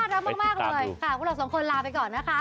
รักมากเลยค่ะพวกเราสองคนลาไปก่อนนะคะ